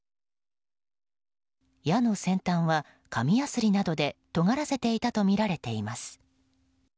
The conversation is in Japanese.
矢の先端は、紙やすりなどでとがらせていたとみられています。